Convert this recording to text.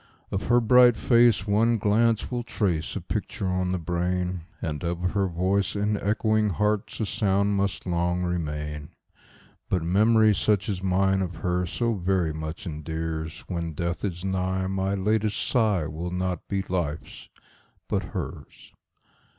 Of her bright face one glance will trace a picture on the brain, And of her voice in echoing hearts a sound must long remain; But memory such as mine of her so very much endears, When death is nigh my latest sigh will not be life's but hers.